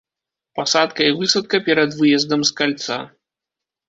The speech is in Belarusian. Пасадка і высадка перад выездам з кальца.